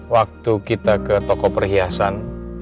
waktu kita ke toko perhiasan